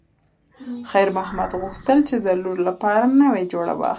خیر محمد غوښتل چې د لور لپاره نوې جوړه واخلي.